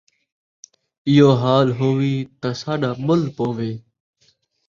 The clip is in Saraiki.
ایہو حال ہووی، تاں ساݙا مُل پووی